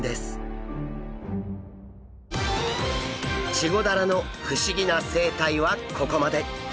チゴダラの不思議な生態はここまで！